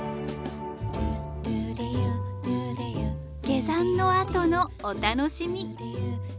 下山のあとのお楽しみ。